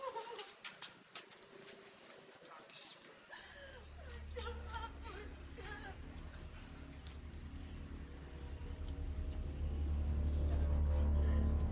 rentetan kejadian yang kalian alami seperti mimpi